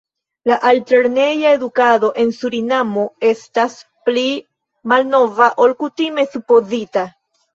La altlerneja edukado en Surinamo estas pli malnova ol kutime supozita.